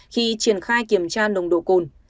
khi triển khai kiểm tra nồng độ cồn